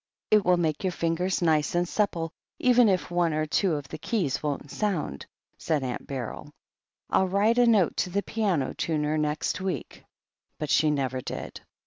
"It will make your fingers nice and supple, even if one or two of the keys won't sound," said Aunt Beryl. "I'll write a note to the piano tuner next week." But she never did.